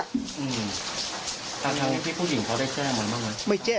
มา๒๐๐กว่ากลับจากนั่นมาเลย